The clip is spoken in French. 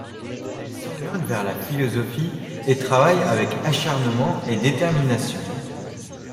Elle s'oriente vers la philosophie et travaille avec acharnement et détermination.